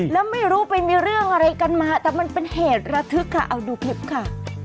แล้วไม่รู้ไปมีเรื่องอะไรกันมาแต่มันเป็นเหตุระทึกค่ะเอาดูคลิปค่ะ